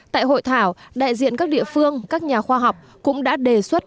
tại hội thảo đại diện các địa phương các nhà khoa học cũng đã đề xuất